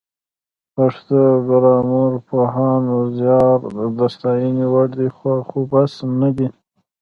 د پښتو ګرامرپوهانو زیار د ستاینې وړ دی خو بس نه دی